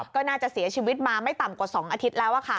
ก็น่าจะเสียชีวิตมาไม่ต่ำกว่า๒อาทิตย์แล้ว